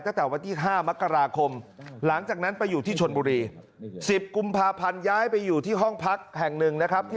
ตั้งแต่วันที่๕มกราคมหลังจากนั้นไปอยู่ที่ชนบุรี๑๐กุมภาพันธ์ย้ายไปอยู่ที่ห้องพักแห่งหนึ่งนะครับ